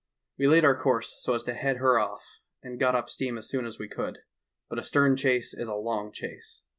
"We laid our course so as to head her off and got up steam as soon as we could. But a stern chase is a long chase.